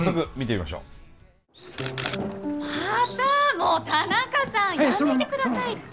もう田中さんやめてくださいって。